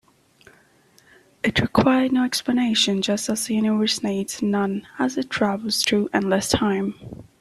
It required no explanation, just as the universe needs none as it travels through endless time.